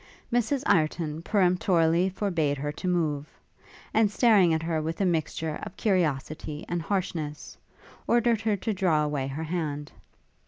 Mrs Ireton peremptorily forbade her to move; and, staring at her with a mixture of curiosity and harshness, ordered her to draw away her hand.